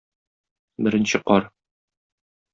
Беренче кар.